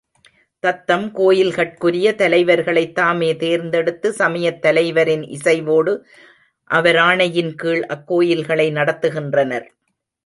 தத்தம் கோயில்கட்குரிய தலைவர்களைத் தாமே தேர்ந்தெடுத்து, சமயத் தலைவரின் இசைவோடு, அவராணையின் கீழ் அக்கோயில்களை நடத்துகின்றனர்.